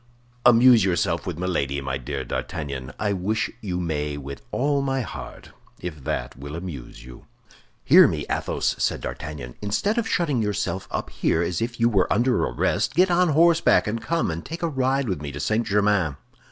"Amuse yourself with Milady, my dear D'Artagnan; I wish you may with all my heart, if that will amuse you." "Hear me, Athos," said D'Artagnan. "Instead of shutting yourself up here as if you were under arrest, get on horseback and come and take a ride with me to St. Germain."